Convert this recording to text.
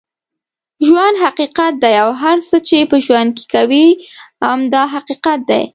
ژوند حقیقت دی اوهر څه چې په ژوند کې کوې هم دا حقیقت دی